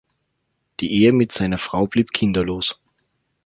Die Ehe mit seiner Frau blieb kinderlos.